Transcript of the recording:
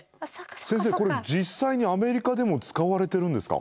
先生これ実際にアメリカでも使われてるんですか？